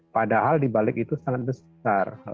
padahal di balik itu sangat besar